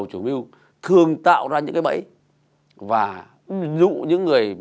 tiền không trả cho chúng nó